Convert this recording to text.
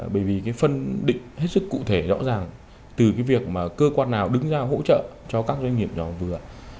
bởi vì phân định hết sức cụ thể rõ ràng từ việc cơ quan nào đứng ra hỗ trợ cho các doanh nghiệp nhỏ vừa